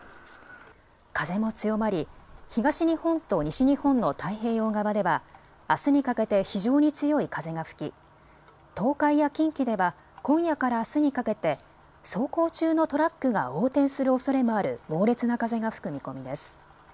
風も強まり東日本と西日本の太平洋側ではあすにかけて非常に強い風が吹き東海や近畿では今夜からあすにかけて走行中のトラックが横転するおそれもある猛烈な風が吹く見込みです。